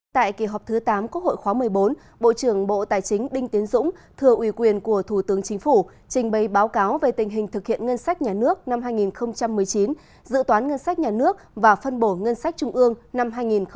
tại kỳ họp thứ tám quốc hội khóa một mươi bốn bộ trưởng bộ tài chính đinh tiến dũng thừa ủy quyền của thủ tướng chính phủ trình bày báo cáo về tình hình thực hiện ngân sách nhà nước năm hai nghìn một mươi chín dự toán ngân sách nhà nước và phân bổ ngân sách trung ương năm hai nghìn hai mươi